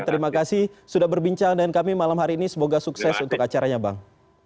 terima kasih sudah berbincang dengan kami malam hari ini semoga sukses untuk acaranya bang